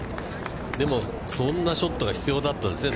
でも、そんなショットが必要だったんですね。